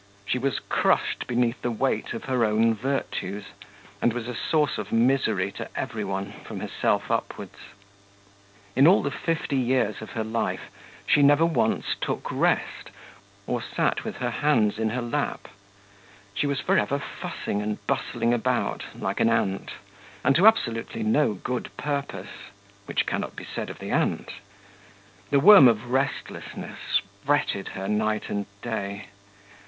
She was crushed beneath the weight of her own virtues, and was a source of misery to every one, from herself upwards. In all the fifty years of her life, she never once took rest, or sat with her hands in her lap; she was for ever fussing and bustling about like an ant, and to absolutely no good purpose, which cannot be said of the ant. The worm of restlessness fretted her night and day.